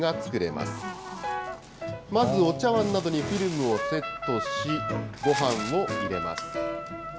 まずお茶わんなどにフィルムをセットし、ごはんを入れます。